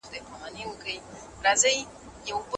د دغې غونډې پایله پرون ماښام اعلان سوه.